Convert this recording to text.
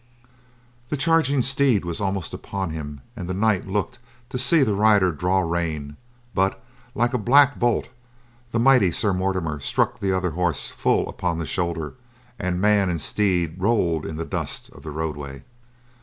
The charging steed was almost upon him and the knight looked to see the rider draw rein, but, like a black bolt, the mighty Sir Mortimer struck the other horse full upon the shoulder, and man and steed rolled in the dust of the roadway.